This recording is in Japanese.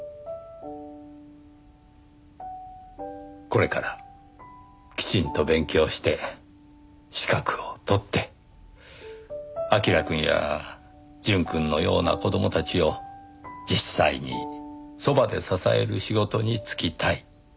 これからきちんと勉強して資格を取って彬くんや淳くんのような子供たちを実際にそばで支える仕事に就きたい。